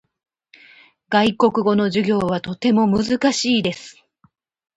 外国語の授業はとても難しいです。